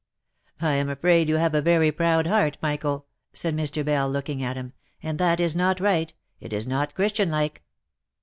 " I am afraid you have a very proud heart, Michael," said Mr. Bell, looking at him ;" and that is not right, it is not christianlike."